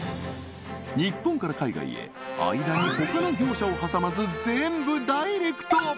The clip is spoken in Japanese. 日本から海外へ間に他の業者を挟まず全部ダイレクト！